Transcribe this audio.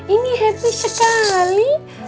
ini happy sekali